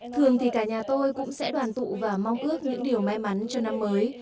thường thì cả nhà tôi cũng sẽ đoàn tụ và mong ước những điều may mắn cho năm mới